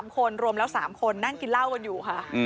๓คนรวมแล้ว๓คนนั่งกินเหล้ากันอยู่ค่ะ